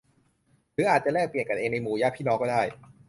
หรืออาจจะแลกเปลี่ยนกันเองในหมู่ญาติพี่น้องก็ได้